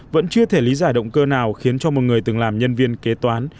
vẫn chưa thể lý giải động cơ nào khiến cho một người từng làm nhân viên kế toán